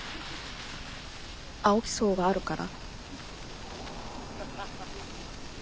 青木荘があるから？